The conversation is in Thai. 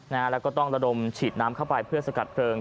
แล้วก็ต้องระดมฉีดน้ำเข้าไปเพื่อสกัดเพลิง